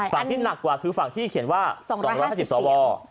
ที่หนักกว่าคือฝั่งที่เขียนว่า๒๕๐สว